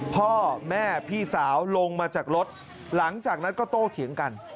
พ่อแม่พี่สาวลงมาจากรถหลังจากนั้นก็โตเถียงกัน